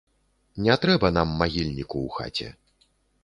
Не трэба нам магільніку ў хаце!